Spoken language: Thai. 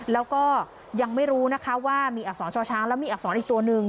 แล้วก็ยังไม่รู้นะคะว่ามีอักษรช่อช้างแล้วมีอักษรอีกตัวหนึ่ง